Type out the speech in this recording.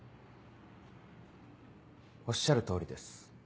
おっしゃる通りです。